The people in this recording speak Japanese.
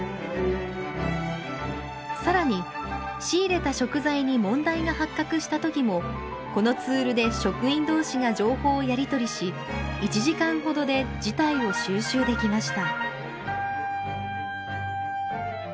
さらに、仕入れた食材に問題が発覚したときもこのツールで職員どうしが情報をやり取りし１時間ほどで事態を収拾できました。